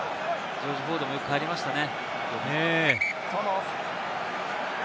ジョージ・フォードもよく帰りましたね。